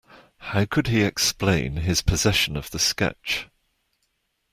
How could he explain his possession of the sketch.